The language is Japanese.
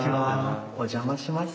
お邪魔します。